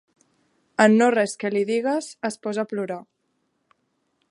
En no res que li digues, es posa a plorar.